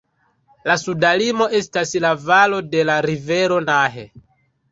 La suda limo estas la valo dela rivero Nahe.